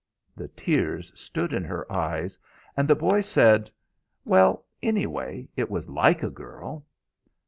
The tears stood in her eyes, and the boy said: "Well, anyway, it was like a girl."